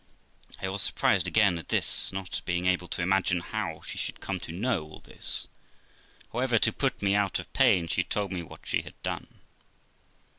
I was surprised again at this, not being able to imagine how she should come to know all this. However, to put me out of pain, she told me what she had done.